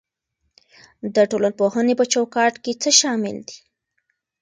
د ټولنپوهنې په چوکاټ کې څه شامل دي؟